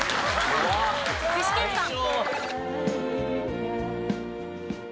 具志堅さん。